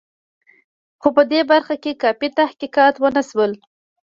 خو په دې برخه کې کافي تحقیقات ونه شول.